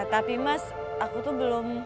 tapi mas aku tuh belum